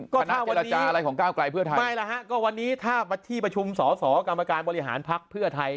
ก็คณะเจรจาอะไรของก้าวไกลเพื่อไทยไม่แล้วฮะก็วันนี้ถ้าที่ประชุมสอสอกรรมการบริหารพักเพื่อไทย